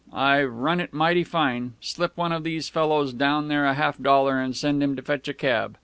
I've run it mighty fine. Slip one of these fellows down there half a dollar and send him to fetch a cab.